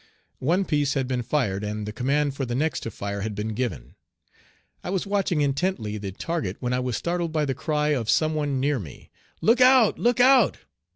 One piece had been fired, and the command for the next to fire had been given. I was watching intently the target when I was startled by the cry of some one near me, "Look out! look out!"